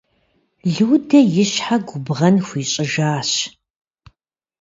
Людэ и щхьэ губгъэн хуищӀыжащ.